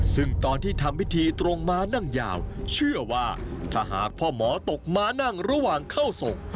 ซึ่งตอนที่ทำพิธีตรงม้านั่งยาวเชื่อว่าถ้าหากพ่อหมอตกมานั่งระหว่างเข้าทรง